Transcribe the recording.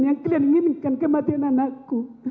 yang kalian inginkan kematian anakku